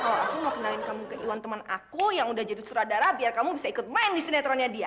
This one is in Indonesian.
kalau aku mau kenalin kamu ke iwan teman aku yang udah jadi sutradara biar kamu bisa ikut main di sinetronnya dia